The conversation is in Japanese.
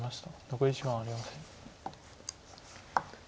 残り時間はありません。